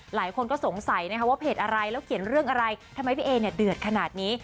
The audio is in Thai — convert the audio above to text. หลายคนก็สงสัยนะคะว่าเพจอะไรแล้วเขียนเรื่องอะไรทำไมพี่เอเนี่ยเดือดขนาดนี้